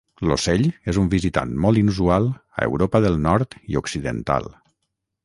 L'ocell és un visitant molt inusual a Europa del Nord i Occidental.